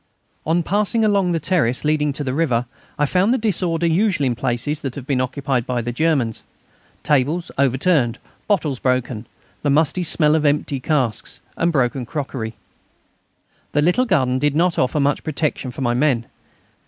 On passing along the terrace leading to the river I found the disorder usual in places that have been occupied by the Germans; tables overturned, bottles broken, the musty smell of empty casks, and broken crockery. The little garden did not offer much protection for my men.